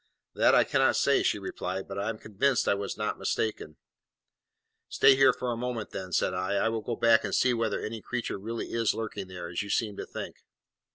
"That I cannot say," she replied; "but I am convinced I was not mistaken." "Stay here a moment then," said I; "I will go back and see whether any creature really is lurking there, as you seem to think."